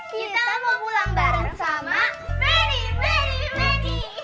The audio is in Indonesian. kita mau pulang bareng sama benny benny benny